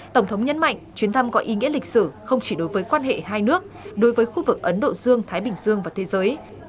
tổng thống nhấn mạnh chuyến thăm có ý nghĩa lịch sử không chỉ đối với quan hệ hai nước đối với khu vực ấn độ dương thái bình dương và thế giới